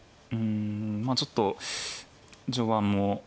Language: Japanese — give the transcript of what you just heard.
まあちょっと序盤も。